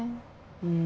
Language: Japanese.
うん。